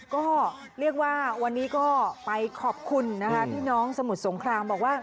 ก็เรียกว่าวันนี้ก็ไปขอบคุณนะคะพี่น้องสมุทรสงครามบอกว่า